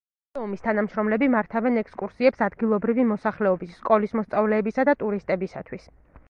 მუზეუმის თანამშრომლები მართავენ ექსკურსიებს ადგილობრივი მოსახლეობის, სკოლის მოსწავლეებისა და ტურისტებისათვის.